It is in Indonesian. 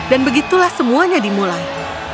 dan begitulah semuanya dimulai